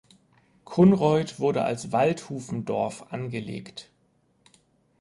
Kunreuth wurde als Waldhufendorf angelegt.